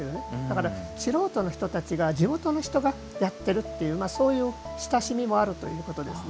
だから素人の人たちが地元の人がやっているというそういう親しみもあるということですね。